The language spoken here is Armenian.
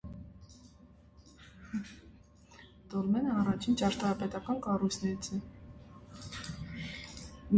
Դոլմենը առաջին ճարտարապետական կառույցներից է։